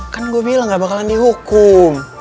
kan gue bilang gak bakalan dihukum